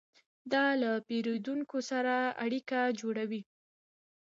دا له پیرودونکو سره اړیکه جوړوي.